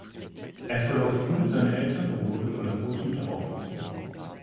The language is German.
Er verlor früh seine Eltern und wurde von der Großmutter aufgezogen.